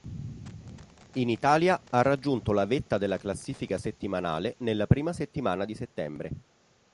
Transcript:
In Italia ha raggiunto la vetta della classifica settimanale nella prima settimana di settembre.